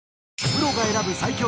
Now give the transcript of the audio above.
プロが選ぶ最強